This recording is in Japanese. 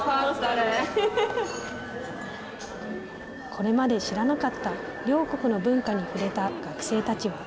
これまで知らなかった両国の文化に触れた学生たちは。